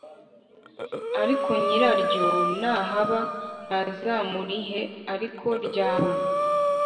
Ariko nyiraryo nahaba ntazamurihe ariko ryaba